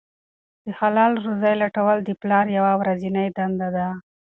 د حلاله روزۍ لټول د پلار یوه ورځنۍ دنده ده.